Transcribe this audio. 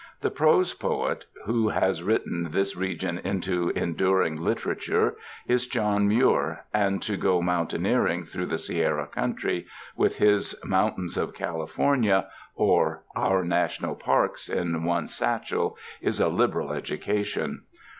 The prose poet who has written this region into enduring literature is John Muir, and to go mountaineering through the Sierra country with his "Mountains of California" 50 THE MOUNTAINS or ''Our National Parks" in one's satchel is a liberal education.